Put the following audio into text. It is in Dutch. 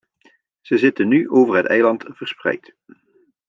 Ze zitten nu over het eiland verspreid.